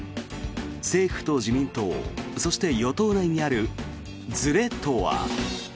政府と自民党そして与党内にあるずれとは。